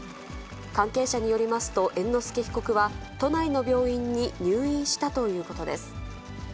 関係者によりますと、猿之助被告は、都内の病院に入院したということです。